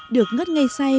được ngất ngây say